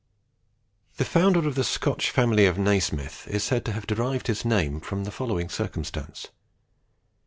The founder Of the Scotch family of Naesmyth is said to have derived his name from the following circumstance.